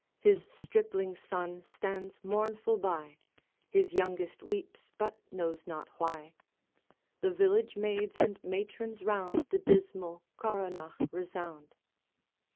His stripling son stands mournful by, His youngest weeps, but knows not why; The village maids and matrons round The dismal coronach resound.